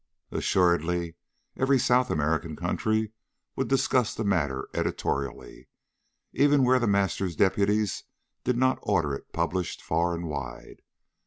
Assuredly every South American country would discuss the matter editorially, even where The Master's deputies did not order it published far and wide.